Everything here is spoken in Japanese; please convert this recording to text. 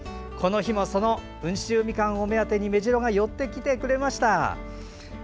この日もその温州ミカンを目当てにメジロが寄ってきてくれました。